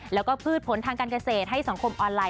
แล้วก็พืชผลทางการเกษตรให้สังคมออนไลน